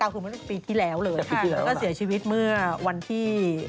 คือจะเล่าผีที่แล้วนี่ครับเฮ่ยแล้วก็เสียชีวิตเมื่อวันที่